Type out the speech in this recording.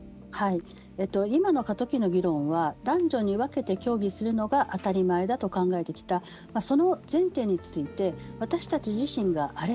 今の過渡期の議論は男女に分けて競技するのが当たり前だと考えてきたその前提について私たち自身があれ？